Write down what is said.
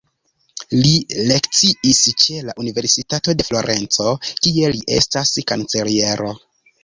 Li lekciis ĉe la Universitato de Florenco, kie li estas kanceliero.